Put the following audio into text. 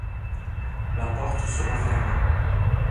La porte se referma.